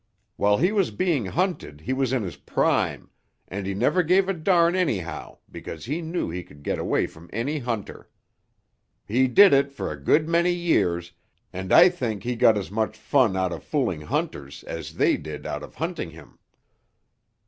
While he was being hunted he was in his prime, and he never gave a darn anyhow because he knew he could get away from any hunter. He did it for a good many years, and I think he got as much fun out of fooling hunters as they did out of hunting him."